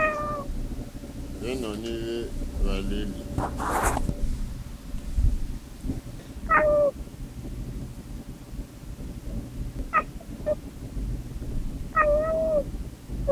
Hwéwónì hwé hwàlêlì.